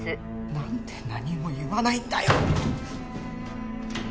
何で何も言わないんだよ！